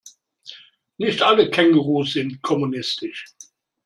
Nicht alle Kängurus sind kommunistisch.